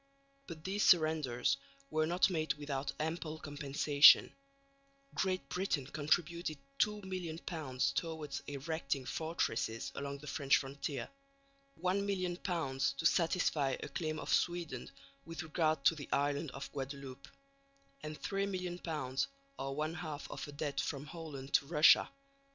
But these surrenders were not made without ample compensation. Great Britain contributed £2,000,000 towards erecting fortresses along the French frontier; £1,000,000 to satisfy a claim of Sweden with regard to the island of Guadeloupe; and £3,000,000 or one half of a debt from Holland to Russia, _i.